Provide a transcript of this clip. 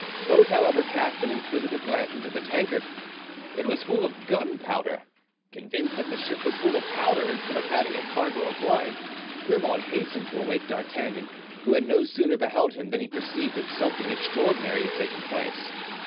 Both, however, cast an inquisitive glance into the tankard—it was full of gunpowder. Convinced that the ship was full of powder instead of having a cargo of wine, Grimaud hastened to awake D'Artagnan, who had no sooner beheld him than he perceived that something extraordinary had taken place.